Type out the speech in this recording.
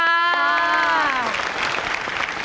ใช่ค่ะ